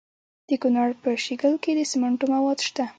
د کونړ په شیګل کې د سمنټو مواد شته.